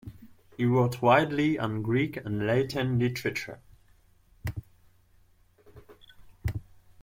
He wrote widely on Greek and Latin literature.